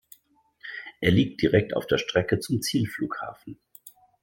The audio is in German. Er liegt direkt auf der Strecke zum Zielflughafen.